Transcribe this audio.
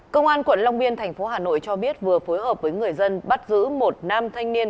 công an quận long biên thành phố hà nội cho biết vừa phối hợp với người dân bắt giữ một nam thanh niên